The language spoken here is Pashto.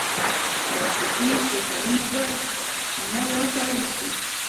پلاستيکي بوتلونه باید نه واچول شي.